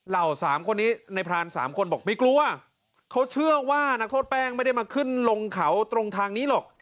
สามคนนี้ในพราน๓คนบอกไม่กลัวเขาเชื่อว่านักโทษแป้งไม่ได้มาขึ้นลงเขาตรงทางนี้หรอก